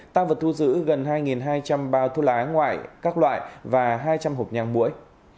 tăng vật thu giữ gần hai hai trăm linh bao thuốc lá ngoại các loại và hai trăm linh hộp nhang mũi